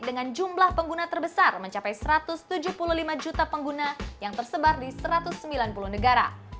dengan jumlah pengguna terbesar mencapai satu ratus tujuh puluh lima juta pengguna yang tersebar di satu ratus sembilan puluh negara